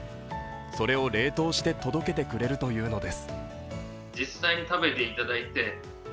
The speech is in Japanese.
それを冷凍して届けてくれるというのです。